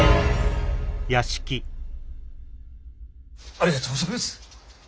ありがとうございます。